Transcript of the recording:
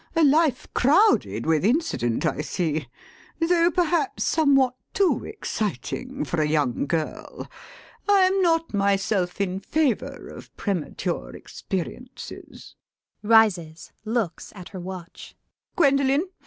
A life crowded with incident, I see; though perhaps somewhat too exciting for a young girl. I am not myself in favour of premature experiences. [Rises, looks at her watch.] Gwendolen!